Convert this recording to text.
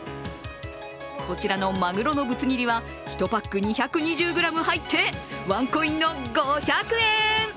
こちらのマグロのぶつ切りは１パック２２０ｇ入ってワンコインの５００円。